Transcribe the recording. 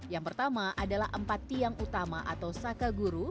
yang pertama adalah empat tiang utama atau sakaguru